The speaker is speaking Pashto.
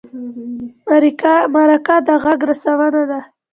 مرکه د غږ رسونه ده.